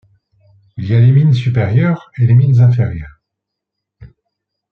Il y a les mines supérieures et les mines inférieures.